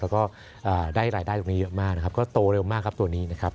แล้วก็ได้รายได้ตรงนี้เยอะมากนะครับก็โตเร็วมากครับตัวนี้นะครับ